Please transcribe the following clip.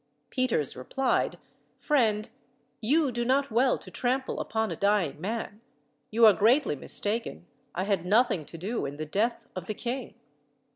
Peters replied, "Friend, you do not well to trample upon a dying man: you are greatly mistaken I had nothing to do in the death of the king."